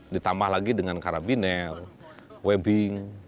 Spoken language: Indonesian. ditambah lagi dengan karabiner webbing